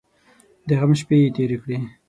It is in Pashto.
د غم شپې یې تېرې کړې.